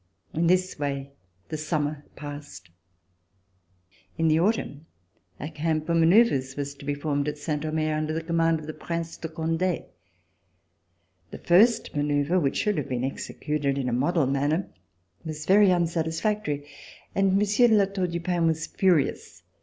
In this way the summer passed. In the autumn a camp for manoeuvres was to be formed at Saint Omer under the command of the Prince de Conde. The first manoeuvre, which should have been executed in a mxodel manner, was very un satisfactory, and Monsieur de La Tour du Pin was furious.